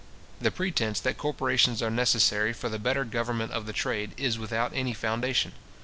The pretence that corporations are necessary for the better government of the trade, is without any foundation.